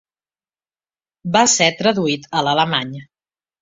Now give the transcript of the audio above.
Va ser traduït a l'alemany.